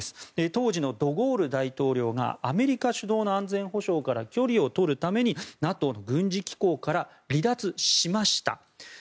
当時のドゴール大統領がアメリカ主導の安全保障から距離をとるためにＮＡＴＯの軍事機構から離脱しました。